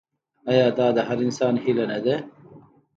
آیا دا د هر انسان هیله نه ده؟